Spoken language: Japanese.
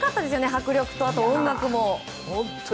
迫力と、あと音楽と。